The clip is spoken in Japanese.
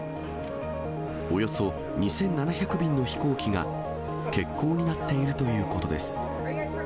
およそ２７００便の飛行機が欠航になっているということです。